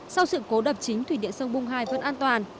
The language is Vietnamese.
sau sự cố đập chính thủy điện sông bung hai vẫn an toàn